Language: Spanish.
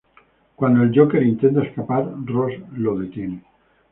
Cuando el Joker intenta escapar, Ross lo detiene.